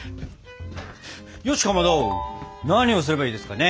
よしかまど何をすればいいですかね？